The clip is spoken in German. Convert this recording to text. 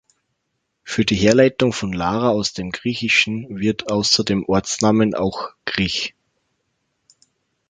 Für die Herleitung von Lara aus dem Griechischen wird außer dem Ortsnamen auch griech.